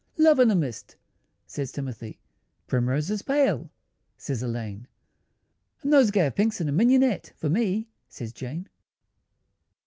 "Love in a mist," says Timothy; "Primroses pale," says Elaine; "A nosegay of pinks and mignonette For me," says Jane.